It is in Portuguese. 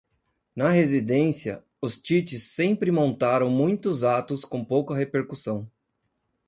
Na residência, os Tites sempre montaram muitos atos com pouca repercussão.